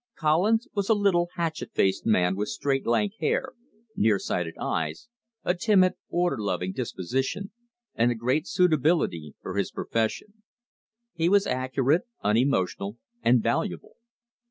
Collins was a little hatchet faced man, with straight, lank hair, nearsighted eyes, a timid, order loving disposition, and a great suitability for his profession. He was accurate, unemotional, and valuable.